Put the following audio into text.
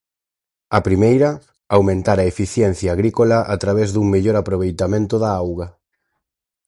A primeira, aumentar a eficiencia agrícola a través dun mellor aproveitamento da auga.